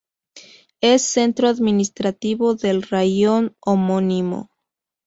Es centro administrativo del raión homónimo.